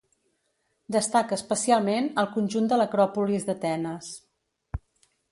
Destaca especialment el conjunt de l'Acròpolis d'Atenes.